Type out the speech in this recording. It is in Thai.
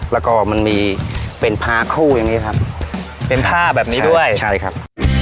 แล้วก็มันมีเป็นพาคู่อย่างนี้ครับเป็นผ้าแบบนี้ด้วยใช่ครับ